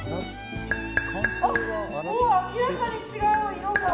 あ、もう明らかに違う色が。